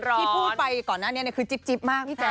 ที่พูดไปก่อนหน้านี้คือจิ๊บมากพี่แจ๊